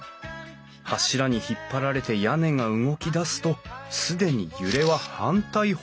柱に引っ張られて屋根が動き出すと既に揺れは反対方向へ。